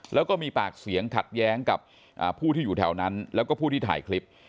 แล้วก็มีปากเสียงขัดแย้งกับผู้ที่อยู่แถวนั้นแล้วก็ผู้ที่ถ่ายคลิป